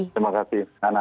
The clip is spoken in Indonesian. terima kasih sana